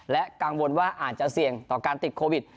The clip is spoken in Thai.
และกังวลว่าอาจจะเสี่ยงต่อการติดโควิด